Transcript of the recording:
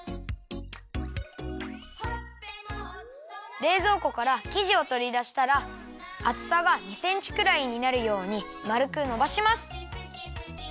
れいぞうこからきじをとりだしたらあつさが２センチくらいになるようにまるくのばします。